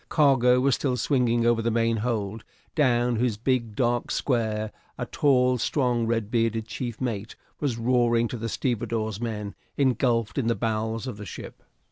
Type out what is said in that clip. Cargo was still swinging over the main hold, down whose big, dark square a tall, strong, red bearded chief mate was roaring to the stevedore's men engulfed in the bowels of the ship.